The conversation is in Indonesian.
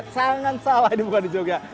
sangat salah ini bukan jogja